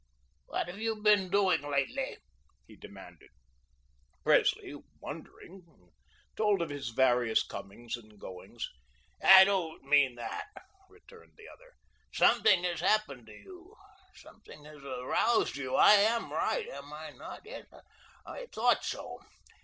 "What have you been doing lately?" he demanded. Presley, wondering, told of his various comings and goings. "I don't mean that," returned the other. "Something has happened to you, something has aroused you. I am right, am I not? Yes, I thought so.